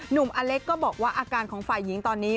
อเล็กก็บอกว่าอาการของฝ่ายหญิงตอนนี้